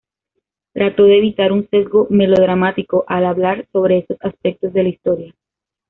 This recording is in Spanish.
Trató de evitar un sesgo melodramático al hablar sobre esos aspectos de la historia.